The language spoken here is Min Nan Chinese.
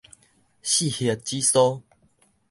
四葉紫蘇